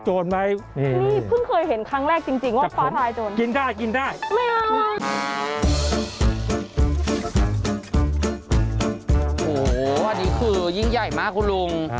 โอ้โหอันนี้คือยิ่งใหญ่มากคุณลุง